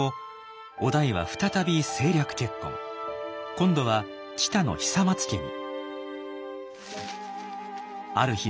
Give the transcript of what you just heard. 今度は知多の久松家に。